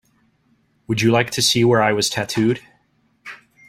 Would you like to see where I was tattooed?